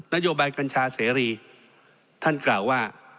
นโยบายกัญชาเสรีท่านกล่าวว่า